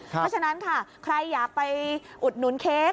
เพราะฉะนั้นค่ะใครอยากไปอุดหนุนเค้ก